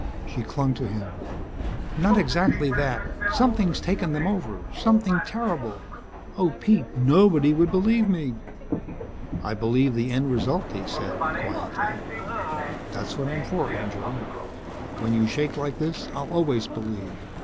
She clung to him. "Not exactly that. Something's taken them over. Something terrible. Oh, Pete! Nobody would believe me." "I believe the end result," he said, quietly. "That's what I'm for, angel. When you shake like this I'll always believe.